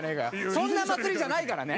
そんな祭りじゃないからね。